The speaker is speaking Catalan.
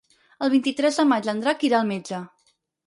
El vint-i-tres de maig en Drac irà al metge.